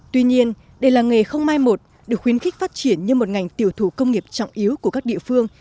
tuy nhiên đây là nghề không mai một được khuyến khích phát triển như một ngành tiểu thủ công nghiệp trọng yếu của các địa phương